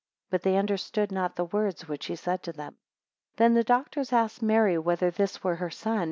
25 But they understood not the words which he said to them. 26 Then the doctors asked Mary, Whether this were her son?